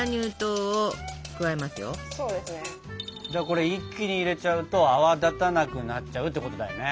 これ一気に入れちゃうと泡立たなくなっちゃうってことだよね。